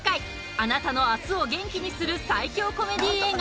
あなたの明日を元気にする最強コメディー映画。